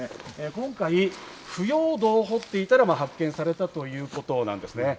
今回、腐葉土を掘っていたら発見されたということなんですね。